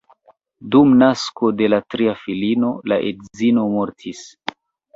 Dum nasko de la tria filino la edzino mortis.